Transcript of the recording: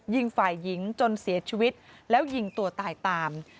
ยิงฝ่ายหญิงจนเสียชีวิตแล้วยิงตัวตายตาม